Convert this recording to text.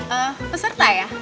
ehm peserta ya